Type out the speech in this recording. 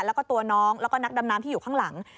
แล้วก็ตัวน้องแล้วก็นักดำน้ำที่อยู่ข้างหลัง